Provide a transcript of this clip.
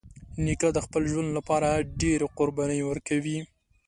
نیکه د خپل ژوند له پاره ډېری قربانۍ ورکوي.